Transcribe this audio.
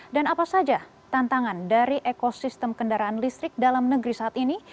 dan apa saja tantangan dari ekosistem kendaraan listrik dalam negeri saat ini